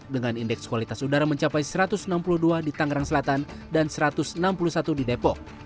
dengan indeks kualitas udara mencapai satu ratus enam puluh dua di tangerang selatan dan satu ratus enam puluh satu di depok